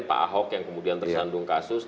pak ahok yang kemudian tersandung kasus